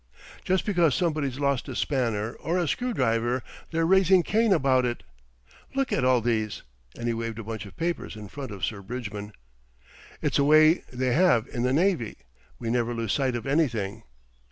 "Just because somebody's lost a spanner, or a screw driver, they're raising Cain about it. Look at all these," and he waved a bunch of papers in front of Sir Bridgman. "It's a way they have in the Navy. We never lose sight of anything."